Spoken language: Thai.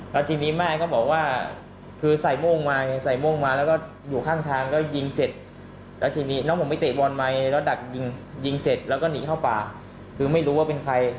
และทีนี้น้องผมไปเตะบอลใหม่แล้วดักยิงเสร็จแล้วก็หนีเข้าป่าคือไม่รู้ว่าเป็นใคร